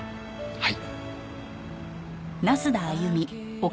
はい！